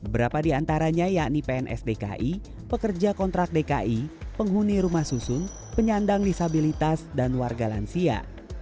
berapa di antaranya yakni pns dki pekerja kontrak dki penghuni rumah susun penyandang disabilitas dan warga lansia